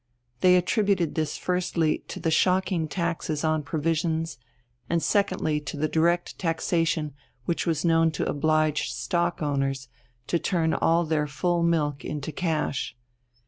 They attributed this firstly to the shocking taxes on provisions and secondly to the direct taxation which was known to oblige stock owners to turn all their full milk into cash.